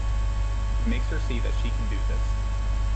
He makes her see that she can do this.